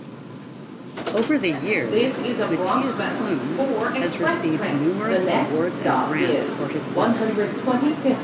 Over the years, Mattias Klum has received numerous awards and grants for his work.